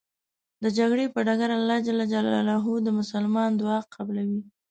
د جګړې په ډګر الله ج د مسلمان دعا قبلوی .